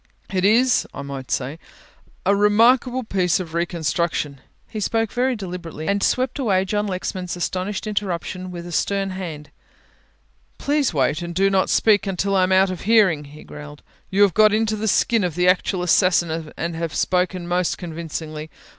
It is, I might say, a remarkable piece of reconstruction," he spoke very deliberately, and swept away John Lexman's astonished interruption with a stern hand, "please wait and do not speak until I am out of hearing," he growled. "You have got into the skin of the actual assassin and have spoken most convincingly.